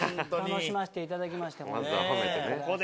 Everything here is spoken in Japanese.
楽しませていただきましてほんとに。